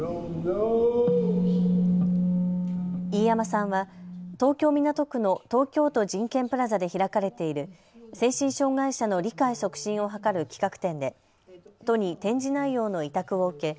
飯山さんは東京港区の東京都人権プラザで開かれている精神障害者の理解促進を図る企画展で都に展示内容の委託を受け